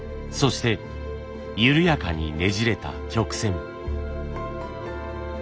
そして緩やかにねじれた曲線。